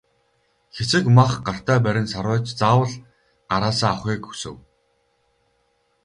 Хэсэг мах гартаа барин сарвайж заавал гараасаа авахыг хүсэв.